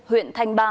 huyện thanh ba